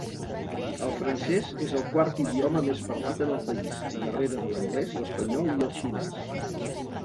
El francès és el quart idioma més parlat en el país, darrere de l'anglès, l'espanyol i el xinès.